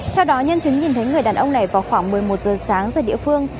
theo đó nhân chứng nhìn thấy người đàn ông này vào khoảng một mươi một giờ sáng ra địa phương